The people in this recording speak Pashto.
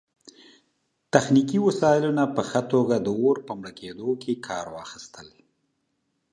تخنیکي وسایلو نه په ښه توګه د اور په مړه کیدو کې کار اخیستل